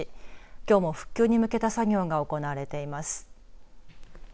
きょうも復旧に向けた作業が行われています。